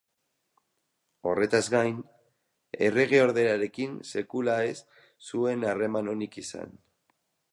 Horretaz gain, erregeordearekin sekula ez zuen harreman onik izan.